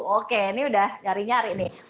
oke ini udah nyari nyari nih